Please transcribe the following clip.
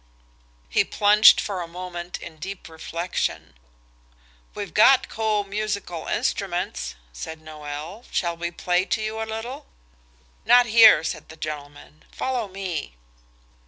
He plunged for a moment in deep reflection. "We've got co– musical instruments," said Noël; "shall we play to you a little?" "Not here," said the gentleman; "follow me."